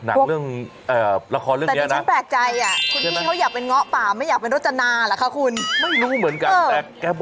นางเรื่องราคาเรื่องนี้นะนะ